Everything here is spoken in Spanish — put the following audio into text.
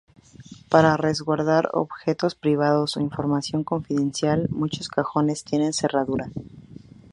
Para resguardar objetos privados o información confidencial, muchos cajones tienen cerradura.